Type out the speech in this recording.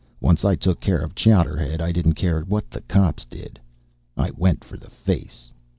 Once I took care of Chowderhead, I didn't care what the cops did. I went for the face.